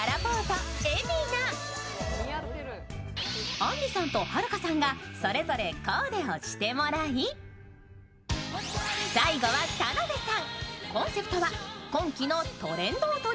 あんりさんとはるかさんがそれぞれコーデをしてもらい最後は田辺さん。